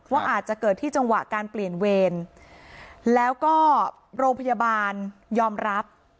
อาจจะเกิดที่จังหวะการเปลี่ยนเวรแล้วก็โรงพยาบาลยอมรับ